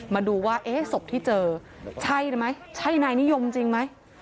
มาดูว่าเอ๊ะศพที่เจอใช่ไหมใช่นายนิยมจริงไหม